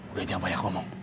udah nyampai aku om